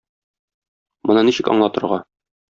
Моны ничек аңлатырга?